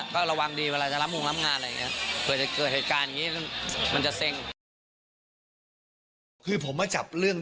ก็ระวังดีเวลาจะรับงงรับงานอะไรอย่างนี้เผื่อจะเกิดเหตุการณ์อย่างนี้มันจะเซ็ง